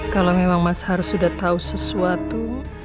kalau memang mas harus sudah tahu sesuatu